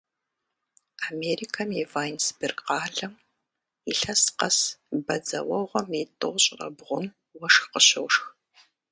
Америкэм и Вайнсберг къалэм илъэс къэс бадзэуэгъуэм и тӏощӏрэ бгъум уэшх къыщошх.